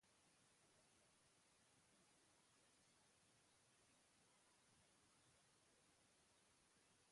Alde batetik egin diote tira erortzeko, baina aurreraka erori da hala ere.